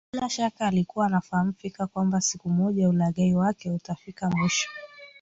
Bila shaka alikuwa anafahamu fika kwamba siku moja ulaghai wake utafikia mwisho